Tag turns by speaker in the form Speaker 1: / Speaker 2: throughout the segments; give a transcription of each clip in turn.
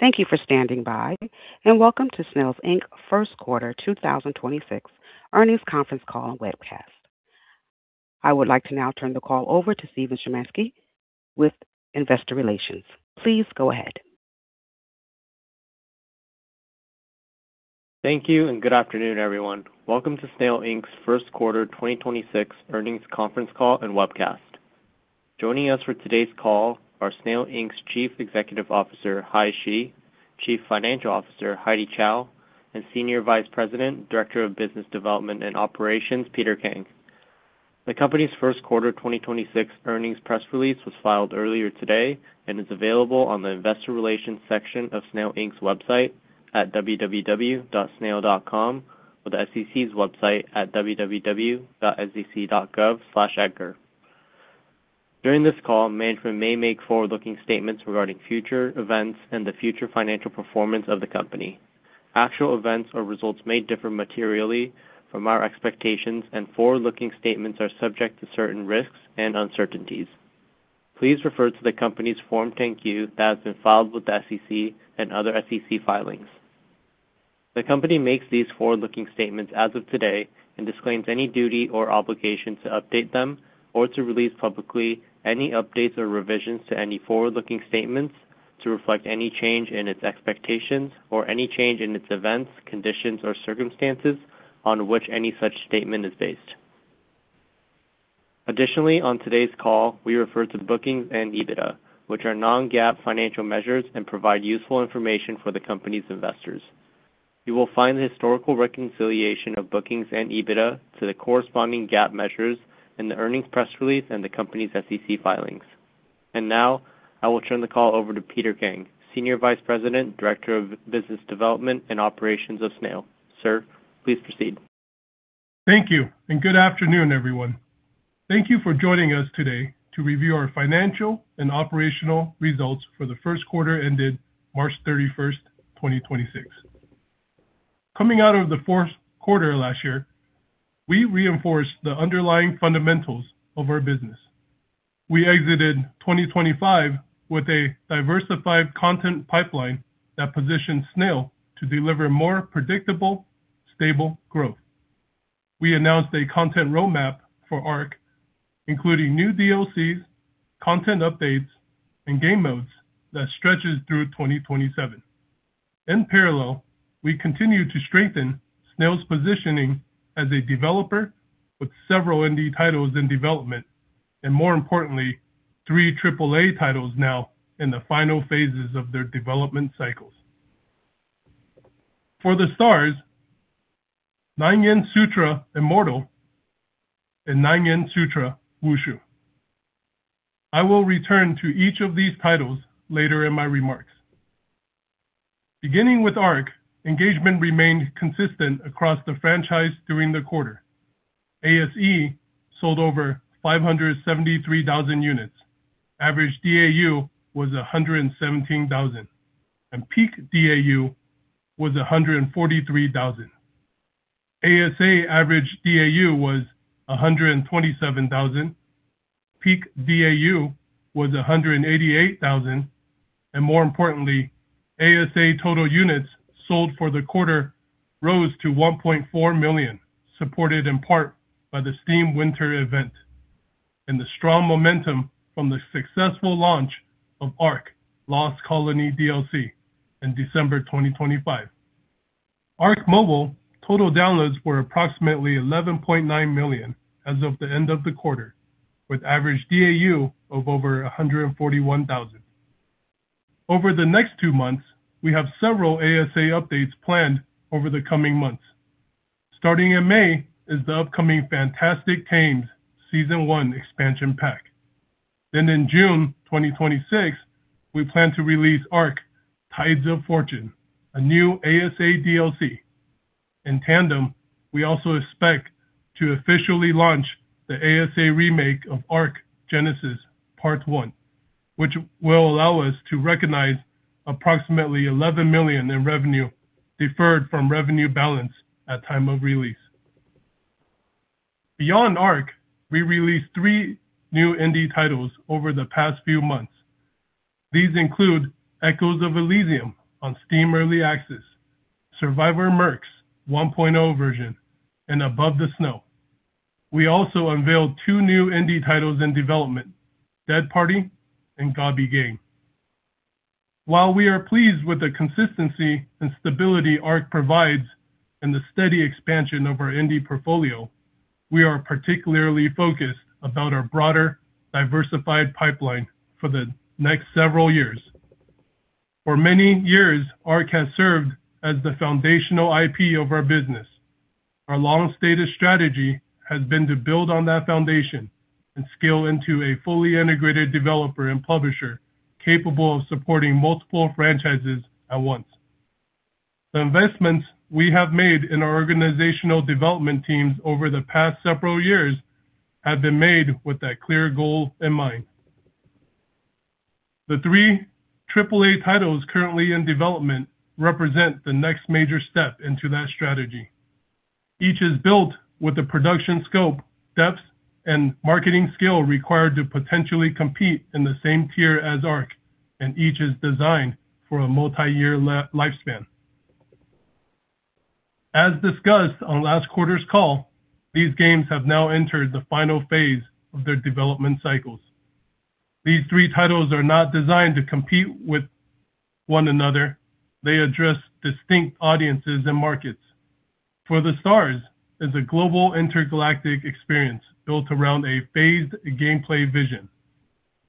Speaker 1: Thank you for standing by, welcome to Snail Inc.'s first quarter 2026 earnings conference call and webcast. I would like to now turn the call over to Steven Shinmachi with Investor Relations. Please go ahead.
Speaker 2: Thank you, and good afternoon, everyone. Welcome to Snail, Inc.'s first quarter 2026 earnings conference call and webcast. Joining us for today's call are Snail, Inc.'s Chief Executive Officer, Hai Shi, Chief Financial Officer, Heidy Chow, and Senior Vice President, Director of Business Development and Operations, Peter Kang. The company's first quarter 2026 earnings press release was filed earlier today and is available on the investor relations section of Snail, Inc.'s website at snail.com or the SEC's website at sec.gov/edgar. During this call, management may make forward-looking statements regarding future events and the future financial performance of the company. Actual events or results may differ materially from our expectations, and forward-looking statements are subject to certain risks and uncertainties. Please refer to the company's Form 10-Q that has been filed with the SEC and other SEC filings. The company makes these forward-looking statements as of today and disclaims any duty or obligation to update them or to release publicly any updates or revisions to any forward-looking statements to reflect any change in its expectations or any change in its events, conditions, or circumstances on which any such statement is based. Additionally, on today's call, we refer to bookings and EBITDA, which are non-GAAP financial measures and provide useful information for the company's investors. You will find the historical reconciliation of bookings and EBITDA to the corresponding GAAP measures in the earnings press release and the company's SEC filings. Now I will turn the call over to Peter Kang, Senior Vice President, Director of Business Development and Operations of Snail. Sir, please proceed.
Speaker 3: Thank you, and good afternoon, everyone. Thank you for joining us today to review our financial and operational results for the first quarter ended March 31st, 2026. Coming out of the fourth quarter last year, we reinforced the underlying fundamentals of our business. We exited 2025 with a diversified content pipeline that positioned Snail to deliver more predictable, stable growth. We announced a content roadmap for ARK, including new DLCs, content updates, and game modes that stretches through 2027. In parallel, we continue to strengthen Snail's positioning as a developer with several indie titles in development, and more importantly, three AAA titles now in the final phases of their development cycles. For The Stars, Nine Yin Sutra: Immortal and Nine Yin Sutra: Wushu. I will return to each of these titles later in my remarks. Beginning with ARK, engagement remained consistent across the franchise during the quarter. ASE sold over 573,000 units. Average DAU was 117,000, and peak DAU was 143,000. ASA average DAU was 127,000. Peak DAU was 188,000. More importantly, ASA total units sold for the quarter rose to 1.4 million, supported in part by the Steam Winter event and the strong momentum from the successful launch of ARK: Lost Colony DLC in December 2025. ARK Mobile total downloads were approximately 11.9 million as of the end of the quarter, with average DAU of over 141,000. Over the next two months, we have several ASA updates planned over the coming months. Starting in May is the upcoming Fantastic Tames Season 1 expansion pack. In June 2026, we plan to release ARK: Tides of Fortune, a new ASA DLC. In tandem, we also expect to officially launch the ASA remake of ARK: Genesis Part 1, which will allow us to recognize approximately $11 million in revenue deferred from revenue balance at time of release. Beyond ARK, we released three new indie titles over the past few months. These include Echoes of Elysium on Steam Early Access, Survivor Mercs 1.0 version, and Above the Snow. We also unveiled two new indie titles in development, Dead Party and Gobby Game. While we are pleased with the consistency and stability ARK provides and the steady expansion of our indie portfolio, we are particularly focused about our broader diversified pipeline for the next several years. For many years, ARK has served as the foundational IP of our business. Our long-stated strategy has been to build on that foundation and scale into a fully integrated developer and publisher capable of supporting multiple franchises at once. The investments we have made in our organizational development teams over the past several years have been made with that clear goal in mind. The three AAA titles currently in development represent the next major step into that strategy. Each is built with the production scope, depth, and marketing skill required to potentially compete in the same tier as ARK. Each is designed for a multiyear lifespan. As discussed on last quarter's call, these games have now entered the final phase of their development cycles. These three titles are not designed to compete with one another. They address distinct audiences and markets. For the Stars is a global intergalactic experience built around a phased gameplay vision.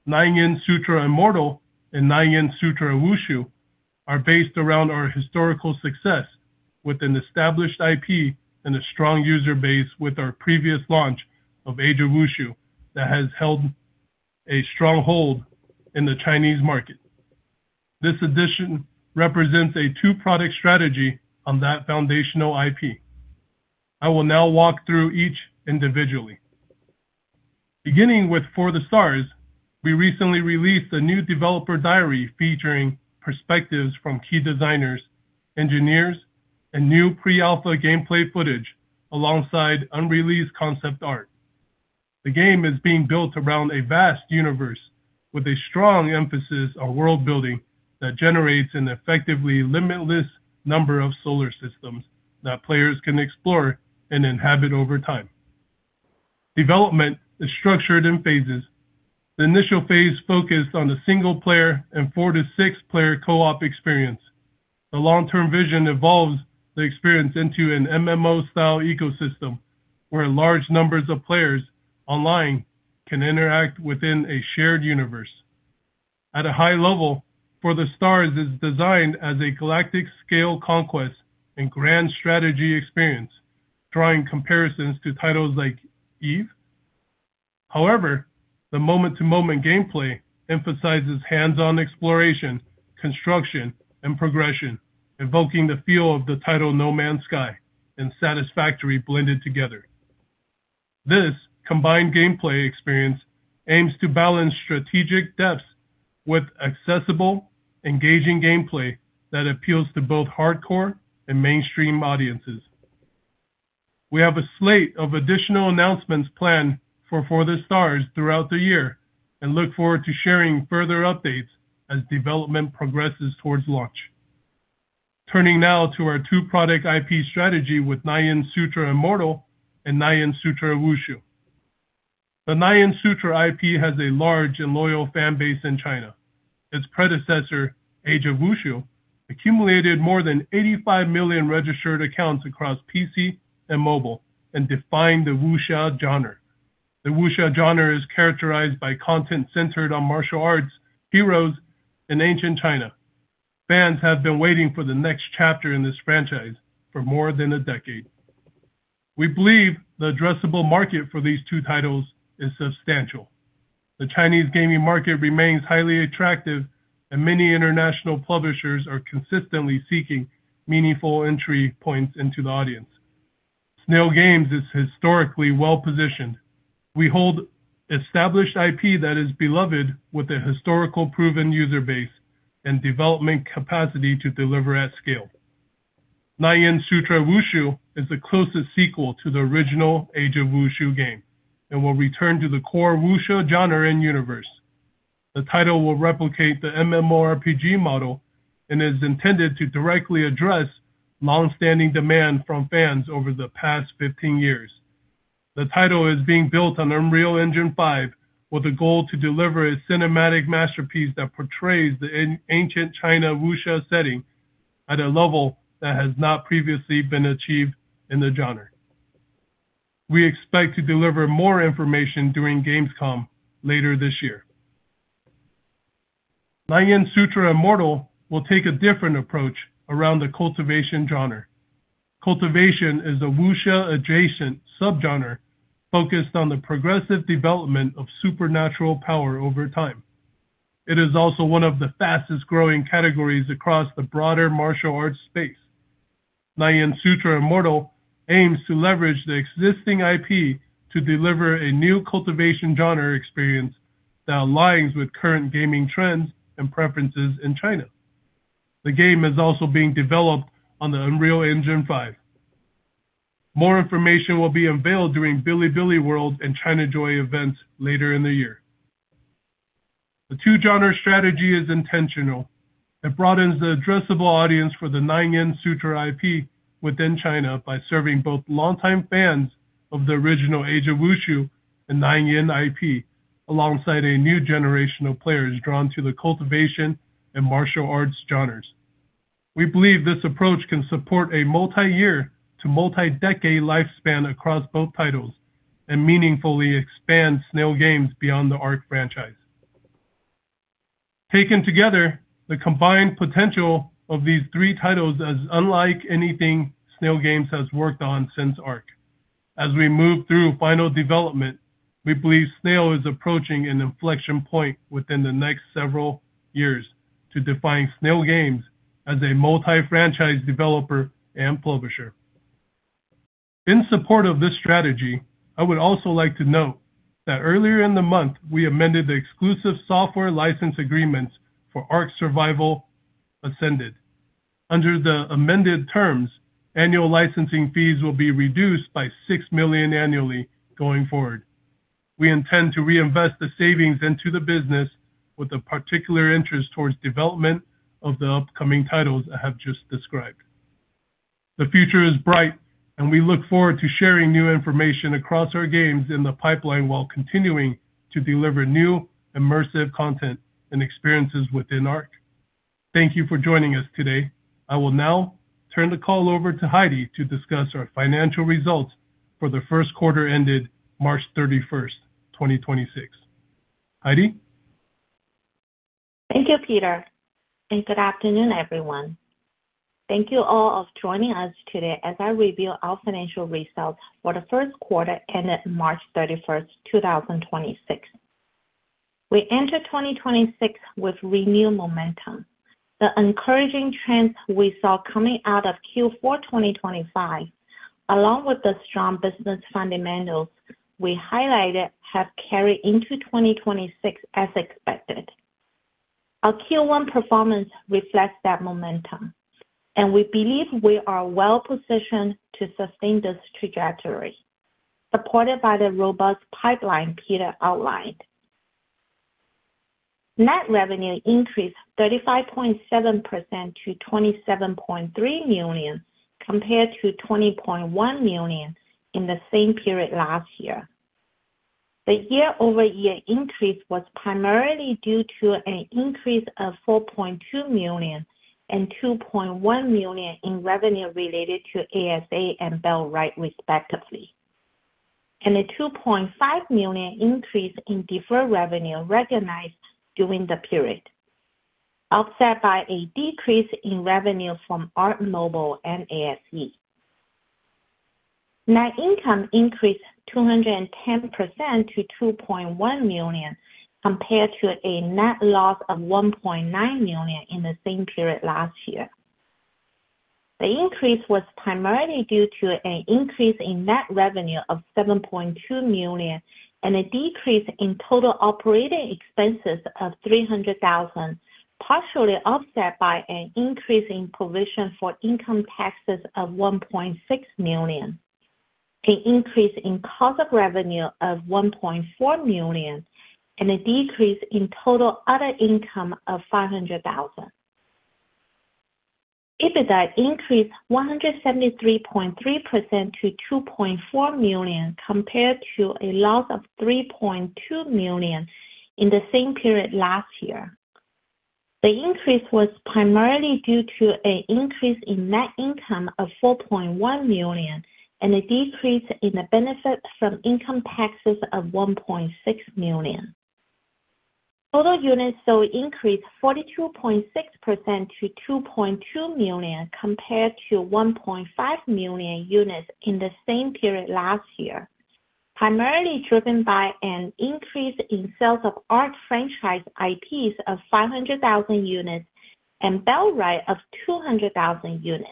Speaker 3: Nine Yin Sutra: Immortal and Nine Yin Sutra: Wushu are based around our historical success with an established IP and a strong user base with our previous launch of Age of Wushu that has held a strong hold in the Chinese market. This edition represents a two-product strategy on that foundational IP. I will now walk through each individually. Beginning with For The Stars, we recently released a new developer diary featuring perspectives from key designers, engineers, and new pre-alpha gameplay footage alongside unreleased concept art. The game is being built around a vast universe with a strong emphasis on world-building that generates an effectively limitless number of solar systems that players can explore and inhabit over time. Development is structured in phases. The initial phase focused on the single player and four to six-player co-op experience. The long-term vision evolves the experience into an MMO style ecosystem, where large numbers of players online can interact within a shared universe. At a high level, For The Stars is designed as a galactic scale conquest and grand strategy experience, drawing comparisons to titles like EVE. However, the moment-to-moment gameplay emphasizes hands-on exploration, construction, and progression, invoking the feel of the title No Man's Sky and Satisfactory blended together. This combined gameplay experience aims to balance strategic depths with accessible, engaging gameplay that appeals to both hardcore and mainstream audiences. We have a slate of additional announcements planned for For The Stars throughout the year and look forward to sharing further updates as development progresses towards launch. Turning now to our two-product IP strategy with Nine Yin Sutra: Immortal and Nine Yin Sutra: Wushu. The Nine Yin Sutra IP has a large and loyal fan base in China. Its predecessor, Age of Wushu, accumulated more than 85 million registered accounts across PC and mobile and defined the wuxia genre. The wuxia genre is characterized by content centered on martial arts, heroes, and ancient China. Fans have been waiting for the next chapter in this franchise for more than one decade. We believe the addressable market for these two titles is substantial. The Chinese gaming market remains highly attractive and many international publishers are consistently seeking meaningful entry points into the audience. Snail Games is historically well-positioned. We hold established IP that is beloved with a historical proven user base and development capacity to deliver at scale. Nine Yin Sutra Wushu is the closest sequel to the original Age of Wushu game and will return to the core wuxia genre and universe. The title will replicate the MMORPG model and is intended to directly address long-standing demand from fans over the past 15 years. The title is being built on Unreal Engine 5 with a goal to deliver a cinematic masterpiece that portrays the ancient China wuxia setting at a level that has not previously been achieved in the genre. We expect to deliver more information during Gamescom later this year. Nine Yin Sutra: Immortal will take a different approach around the cultivation genre. Cultivation is a wuxia adjacent subgenre focused on the progressive development of supernatural power over time. It is also one of the fastest-growing categories across the broader martial arts space. Nine Yin Sutra: Immortal aims to leverage the existing IP to deliver a new cultivation genre experience that aligns with current gaming trends and preferences in China. The game is also being developed on the Unreal Engine 5. More information will be unveiled during Bilibili World and ChinaJoy events later in the year. The two genre strategy is intentional. It broadens the addressable audience for the Nine Yin Sutra IP within China by serving both longtime fans of the original Age of Wushu and Nine Yin IP, alongside a new generation of players drawn to the cultivation and martial arts genres. We believe this approach can support a multiyear to multi-decade lifespan across both titles and meaningfully expand Snail Games beyond the ARK franchise. Taken together, the combined potential of these three titles is unlike anything Snail Games has worked on since ARK. As we move through final development, we believe Snail is approaching an inflection point within the next several years to define Snail Games as a multi-franchise developer and publisher. In support of this strategy, I would also like to note that earlier in the month, we amended the exclusive software license agreements for ARK: Survival Ascended. Under the amended terms, annual licensing fees will be reduced by $6 million annually going forward. We intend to reinvest the savings into the business with a particular interest towards development of the upcoming titles I have just described. The future is bright, and we look forward to sharing new information across our games in the pipeline while continuing to deliver new immersive content and experiences within ARK. Thank you for joining us today. I will now turn the call over to Heidy to discuss our financial results for the first quarter ended March 31st, 2026. Heidy.
Speaker 4: Thank you, Peter. Good afternoon, everyone. Thank you all of joining us today as I reveal our financial results for the first quarter ended March 31st, 2026. We enter 2026 with renewed momentum. The encouraging trends we saw coming out of Q4 2025, along with the strong business fundamentals we highlighted, have carried into 2026 as expected. Our Q1 performance reflects that momentum, and we believe we are well positioned to sustain this trajectory, supported by the robust pipeline Peter outlined. Net revenue increased 35.7% to $27.3 million compared to $20.1 million in the same period last year. The year-over-year increase was primarily due to an increase of $4.2 million and $2.1 million in revenue related to ASA and Bellwright respectively, and a $2.5 million increase in deferred revenue recognized during the period, offset by a decrease in revenue from ARK Mobile and ASE. Net income increased 210% to $2.1 million, compared to a net loss of $1.9 million in the same period last year. The increase was primarily due to an increase in net revenue of $7.2 million and a decrease in total operating expenses of $300,000, partially offset by an increase in provision for income taxes of $1.6 million, an increase in cost of revenue of $1.4 million, and a decrease in total other income of $500,000. EBITDA increased 173.3% to $2.4 million, compared to a loss of $3.2 million in the same period last year. The increase was primarily due to an increase in net income of $4.1 million and a decrease in the benefit from income taxes of $1.6 million. Total units sold increased 42.6% to 2.2 million compared to 1.5 million units in the same period last year, primarily driven by an increase in sales of ARK franchise IPs of 500,000 units and Bellwright of 200,000 units.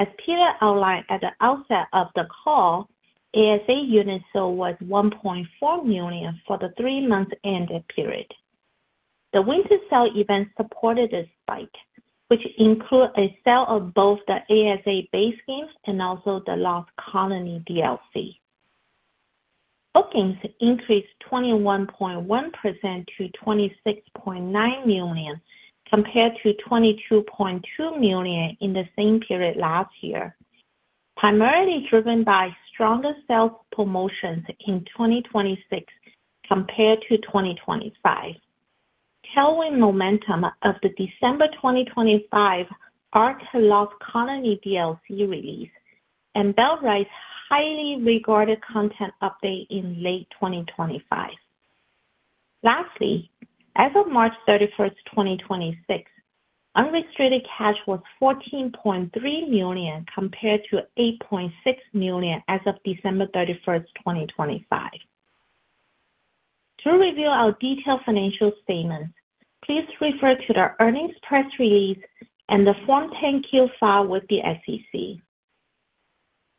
Speaker 4: As Peter outlined at the outset of the call, ASA unit sale was 1.4 million for the three-month ended period. The winter sale event supported a spike, which include a sale of both the ASA base games and also the ARK: Lost Colony DLC. Bookings increased 21.1% to $26.9 million, compared to $22.2 million in the same period last year, primarily driven by stronger sales promotions in 2026 compared to 2025, tailwind momentum of the December 2025 ARK: Lost Colony DLC release, and Bellwright's highly regarded content update in late 2025. Lastly, as of March 31st, 2026, unrestricted cash was $14.3 million compared to $8.6 million as of December 31st, 2025. To review our detailed financial statement, please refer to the earnings press release and the Form 10-Q filed with the SEC.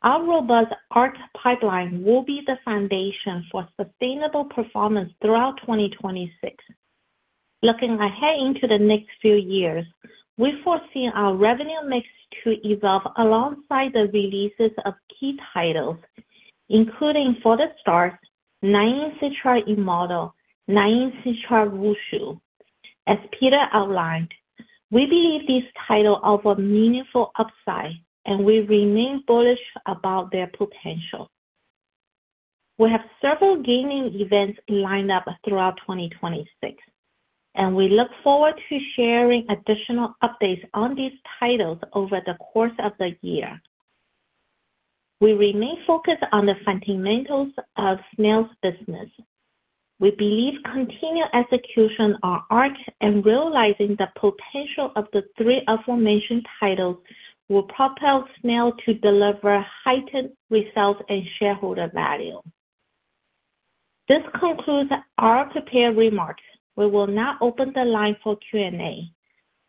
Speaker 4: Our robust ARK pipeline will be the foundation for sustainable performance throughout 2026. Looking ahead into the next few years, we foresee our revenue mix to evolve alongside the releases of key titles, including, for the start, Nine Yin Sutra: Immortal, Nine Yin Sutra: Wushu. As Peter outlined, we believe these title offer meaningful upside, and we remain bullish about their potential. We have several gaming events lined up throughout 2026, and we look forward to sharing additional updates on these titles over the course of the year. We remain focused on the fundamentals of Snail's business. We believe continued execution on ARK and realizing the potential of the three aforementioned titles will propel Snail to deliver heightened results and shareholder value. This concludes our prepared remarks. We will now open the line for Q&A.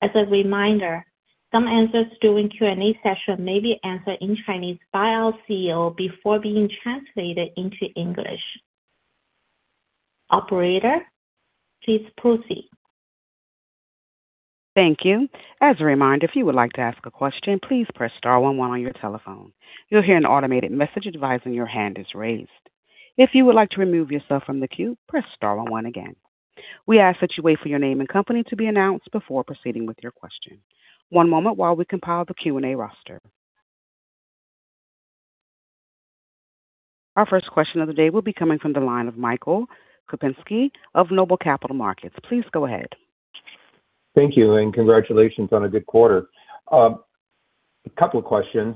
Speaker 4: As a reminder, some answers during Q&A session may be answered in Chinese by our CEO before being translated into English. Operator, please proceed.
Speaker 1: Thank you. As a reminder, if you would like to ask a question, please press star one one on your telephone. You'll hear an automated message advising your hand is raised. If you would like to remove yourself from the queue, press star one one again. We ask that you wait for your name and company to be announced before proceeding with your question. One moment while we compile the Q&A roster. Our first question of the day will be coming from the line of Michael Kupinski of Noble Capital Markets. Please go ahead.
Speaker 5: Thank you. Congratulations on a good quarter. A couple of questions.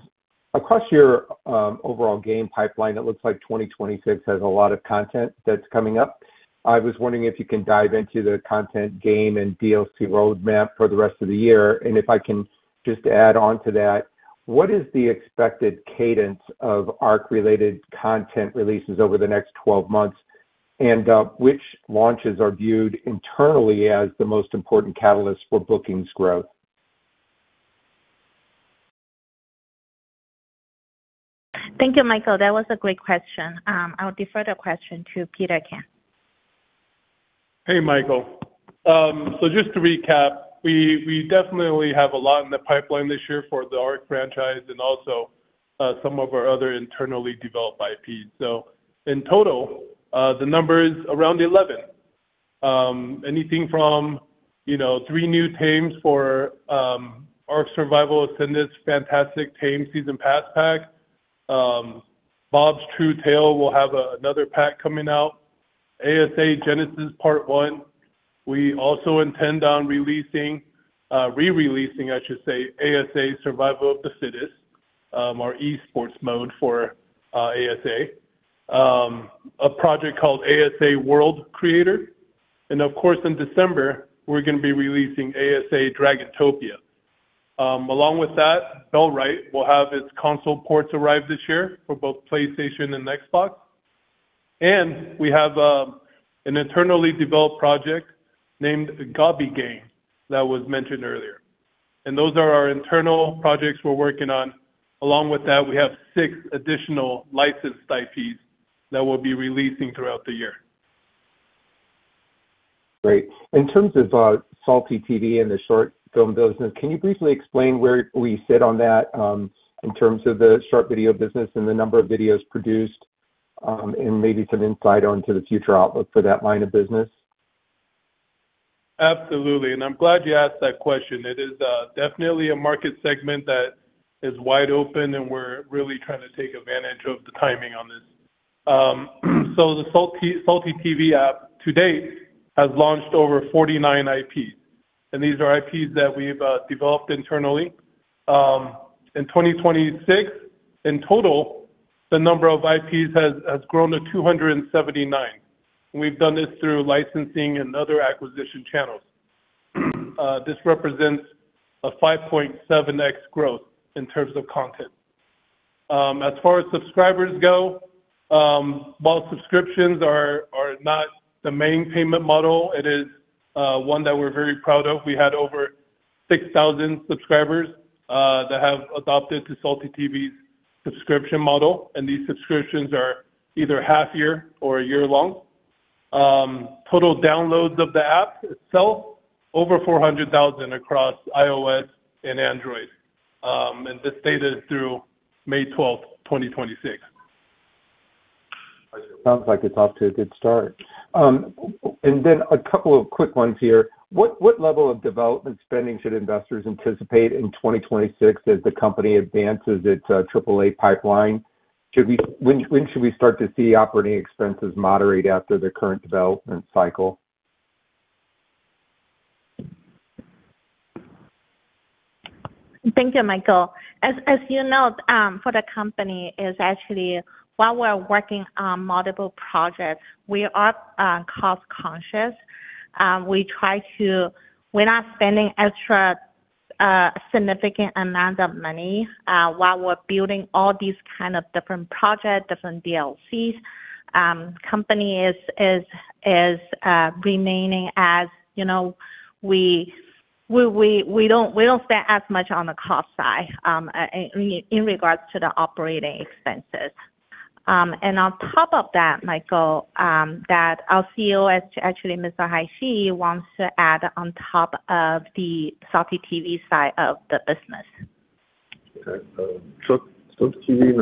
Speaker 5: Across your overall game pipeline, it looks like 2026 has a lot of content that's coming up. I was wondering if you can dive into the content game and DLC roadmap for the rest of the year. If I can just add on to that, what is the expected cadence of ARK related content releases over the next 12 months? Which launches are viewed internally as the most important catalyst for bookings growth?
Speaker 4: Thank you, Michael. That was a great question. I'll defer the question to Peter Kang.
Speaker 3: Michael. Just to recap, we definitely have a lot in the pipeline this year for the ARK franchise and also some of our other internally developed IP. In total, the number is around 11. Anything from, you know, three new tames for ARK: Survival Ascended's Fantastic Tames Season 1 pack. Bob's Tall Tales will have another pack coming out. ASA Genesis Part 1. We also intend on releasing, re-releasing, I should say, ARK: Survival of the Fittest, our e-sports mode for ASA. A project called ASA World Creator. Of course, in December, we're gonna be releasing ARK Dragontopia. Along with that, Bellwright will have its console ports arrive this year for both PlayStation and Xbox. We have an internally developed project named Gobby Game that was mentioned earlier. Those are our internal projects we're working on. Along with that, we have six additional licensed IPs that we'll be releasing throughout the year.
Speaker 5: Great. In terms of SaltyTV and the short film business, can you briefly explain where we sit on that, in terms of the short video business and the number of videos produced, and maybe some insight into the future outlook for that line of business?
Speaker 3: Absolutely. I'm glad you asked that question. It is definitely a market segment that is wide open. We're really trying to take advantage of the timing on this. The SaltyTV app to date has launched over 49 IPs. These are IPs that we've developed internally. In 2026, in total, the number of IPs has grown to 279. We've done this through licensing and other acquisition channels. This represents a 5.7x growth in terms of content. As far as subscribers go, while subscriptions are not the main payment model, it is one that we're very proud of. We had over 6,000 subscribers that have adopted to SaltyTV's subscription model. These subscriptions are either half year or a year long. Total downloads of the app itself, over 400,000 across iOS and Android. This data is through May 12th, 2026.
Speaker 5: Sounds like it's off to a good start. A couple of quick ones here. What level of development spending should investors anticipate in 2026 as the company advances its AAA pipeline? When should we start to see operating expenses moderate after the current development cycle?
Speaker 4: Thank you, Michael. As you know, for the company is actually while we're working on multiple projects, we are cost-conscious. We're not spending extra significant amount of money while we're building all these kind of different project, different DLCs. Company is remaining as you know, we don't spend as much on the cost side in regards to the operating expenses. And on top of that, Michael, that our CEO, actually Mr. Hai Shi wants to add on top of the SaltyTV side of the business.
Speaker 6: Okay. Salty TV.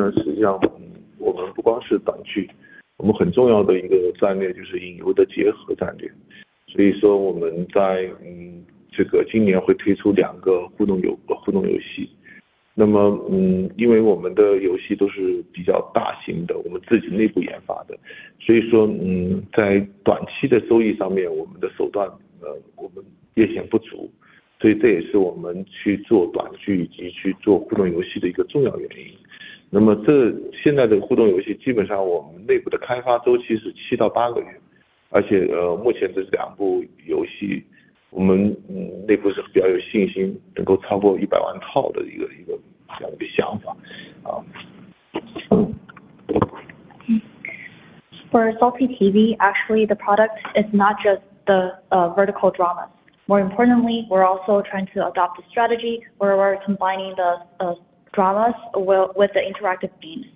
Speaker 4: For SaltyTV, actually, the product is not just the vertical dramas. More importantly, we're also trying to adopt a strategy where we're combining the dramas with the interactive games.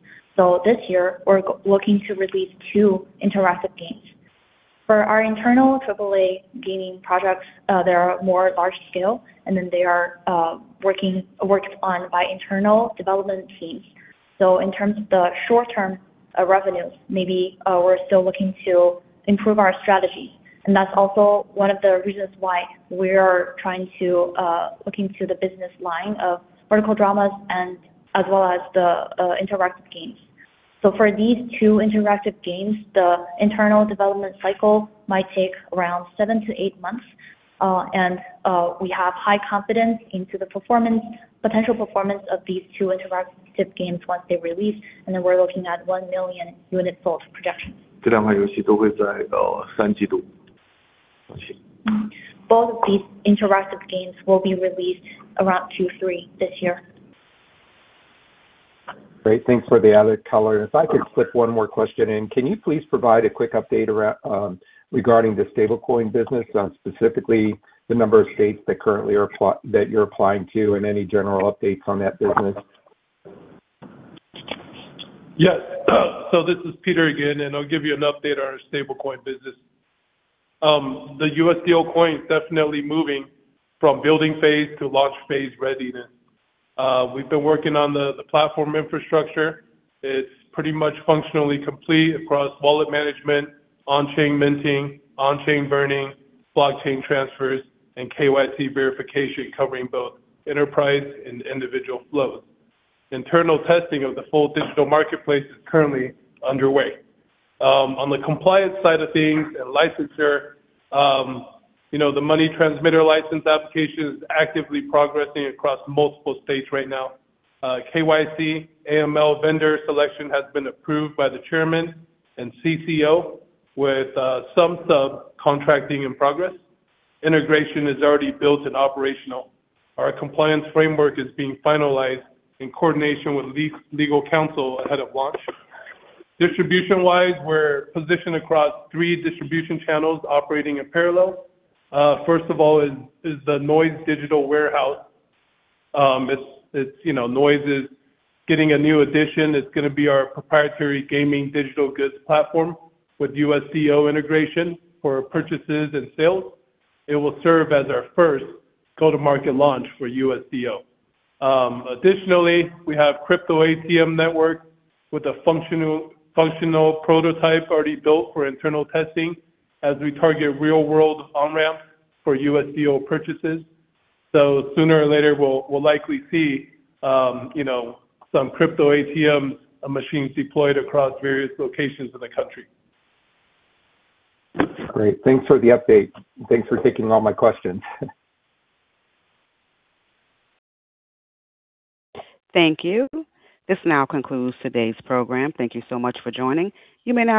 Speaker 4: This year, we're looking to release two interactive games. For our internal AAA gaming projects, they are more large scale, and then they are worked on by internal development teams. In terms of the short-term revenues, maybe, we're still looking to improve our strategy. That's also one of the reasons why we are trying to look into the business line of vertical dramas as well as the interactive games. For these two interactive games, the internal development cycle might take around seven to eight months. And we have high confidence into the potential performance of these two interactive games once they release, and then we're looking at 1 million unit sold projections. Both of these interactive games will be released around 2, 3 this year.
Speaker 5: Great. Thanks for the added color. If I could slip one more question in. Can you please provide a quick update regarding the stablecoin business on specifically the number of states that currently are that you're applying to any general updates on that business?
Speaker 3: Yes. This is Peter again, and I'll give you an update on our stable coin business. The USDO coin is definitely moving from building phase to launch phase readiness. We've been working on the platform infrastructure. It's pretty much functionally complete across wallet management, on-chain minting, on-chain burning, blockchain transfers, and KYC verification, covering both enterprise and individual flows. Internal testing of the full digital marketplace is currently underway. On the compliance side of things and licensure, you know, the money transmitter license application is actively progressing across multiple states right now. KYC, AML vendor selection has been approved by the Chairman and CCO with some subcontracting in progress. Integration is already built and operational. Our compliance framework is being finalized in coordination with legal counsel ahead of launch. Distribution-wise, we're positioned across three distribution channels operating in parallel. First of all is the Nitrado Digital Warehouse. It's, you know, Nitrado is getting a new addition. It's gonna be our proprietary gaming digital goods platform with USDO integration for purchases and sales. It will serve as our first go-to-market launch for USDO. Additionally, we have crypto ATM network with a functional prototype already built for internal testing as we target real-world on-ramp for USDO purchases. Sooner or later, we'll likely see, you know, some crypto ATM machines deployed across various locations in the country.
Speaker 5: Great. Thanks for the update. Thanks for taking all my questions.
Speaker 1: Thank you. This now concludes today's program. Thank you so much for joining. You may now disconnect.